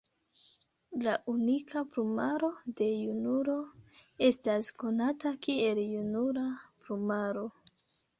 La unika plumaro de junulo estas konata kiel junula plumaro.